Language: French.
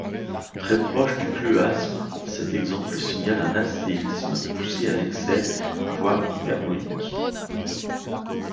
Très proche du chleuasme, cet exemple signale un astéisme poussé à l'excès voire hyperbolique.